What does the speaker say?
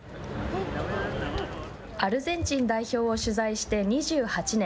アルゼンチン代表を取材して、２８年。